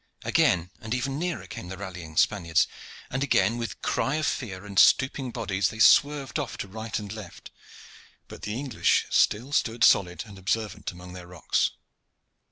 Again and even nearer came the rallying Spaniards, and again with cry of fear and stooping bodies they swerved off to right and left, but the English still stood stolid and observant among their rocks.